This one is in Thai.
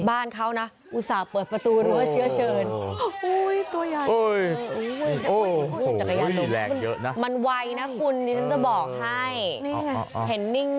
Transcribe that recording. บ้านเขานะอุตส่าห์เปิดประตูรั้วเชื้อเชิญ